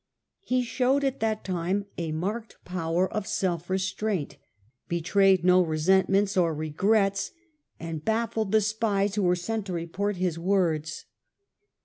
He showed at that time a who had marked power of self restraint, betrayed no Capre® with resentments or regrets, and baffled the spies Tiberius, who were set to report his words.